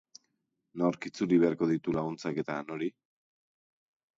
Nor itzuli beharko ditu laguntzak eta nori?